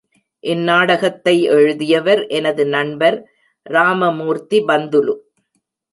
இந்நாடகத்தை எழுதியவர் எனது நண்பர் ராமமூர்த்தி பந்துலு.